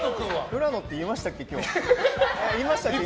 浦野っていましたっけ？